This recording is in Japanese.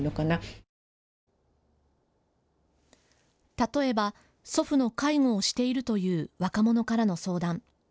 例えば祖父の介護をしているという若者からの相談。